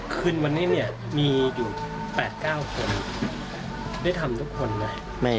คืนวันนี้เนี่ยมีอยู่๘๙คนได้ทำทุกคนไง